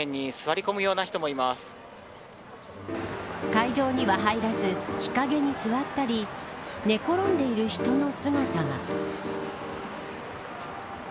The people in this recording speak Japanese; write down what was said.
会場には入らず日陰に座ったり寝転んでいる人の姿が。